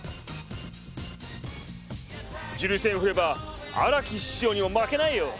ジュリ扇振れば荒木師匠にも負けないよ！